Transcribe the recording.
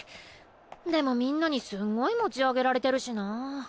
でもみんなにすんごい持ち上げられてるしな。